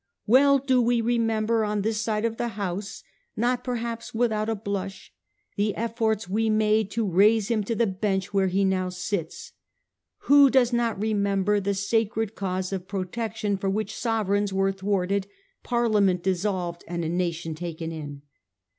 'Well do we remember, on this side of the House —. not perhaps without a blush — the efforts we made to raise him to the bench where he now sits. Who does not remember the sacred cause of Protection for which sovereigns were thwarted, Parliament dissolved, and a nation taken in